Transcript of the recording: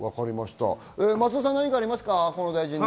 松田さんは何かありますか？